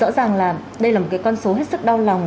rõ ràng là đây là một cái con số hết sức đau lòng